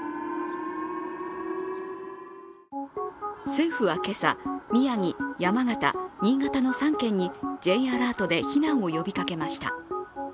政府は今朝、宮城、山形、新潟の３県にＪアラートで避難を呼びかけました。